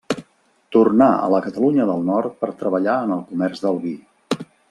Tornà a la Catalunya del Nord per treballar en el comerç del vi.